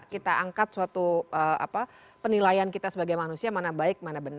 kita angkat suatu penilaian kita sebagai manusia mana baik mana benar